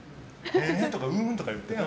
えーとかうーんとか言ってよ。